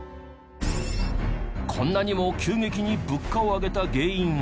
こんなにも急激に物価を上げた原因は。